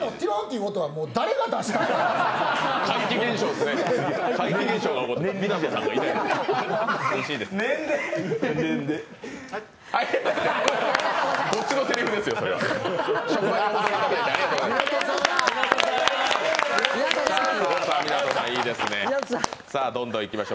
こっちのせりふですよ、ありがとうございました。